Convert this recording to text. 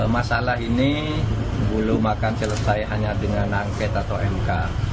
masalah ini belum akan selesai hanya dengan angket atau mk